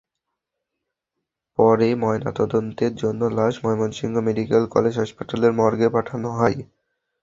পরে ময়নাতদন্তের জন্য লাশ ময়মনসিংহ মেডিকেল কলেজ হাসপাতালের মর্গে পাঠানো হয়।